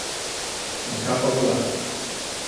The Cup of Life